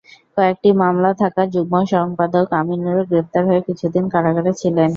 কয়েকটি মামলা থাকা যুগ্ম সম্পাদক আমিনুরও গ্রেপ্তার হয়ে কিছুদিন কারাগারে ছিলেন।